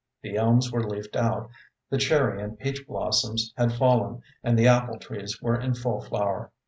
The elms were leafed out, the cherry and peach blossoms had fallen, and the apple trees were in full flower.